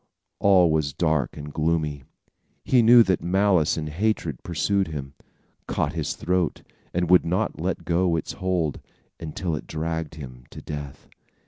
All was dark and gloomy. He knew that malice and hatred pursued him, caught his throat and would not let go its hold, until it dragged him to death.